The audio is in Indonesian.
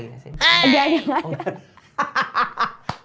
gak ada gak ada